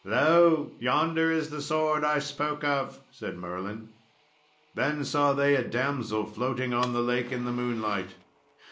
"Lo! yonder is the sword I spoke of," said Merlin. Then saw they a damsel floating on the lake in the Moonlight.